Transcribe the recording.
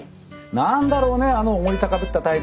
何だろうねあのおごり高ぶった態度は。